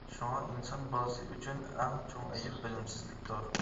شۇڭا، ئىنسان بالىسى ئۈچۈن ئەڭ چوڭ ئەيىب بىلىمسىزلىكتۇر.